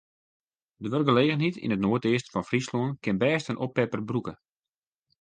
De wurkgelegenheid yn it noardeasten fan Fryslân kin bêst in oppepper brûke.